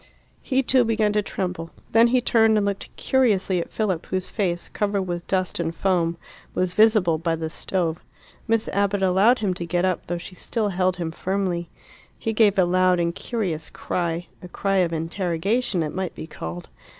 He too began to tremble. Then he turned and looked curiously at Philip, whose face, covered with dust and foam, was visible by the stove. Miss Abbott allowed him to get up, though she still held him firmly. He gave a loud and curious cry a cry of interrogation it might be called.